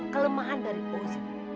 kelemahan dari ozi